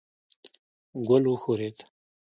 ګل وښورېد.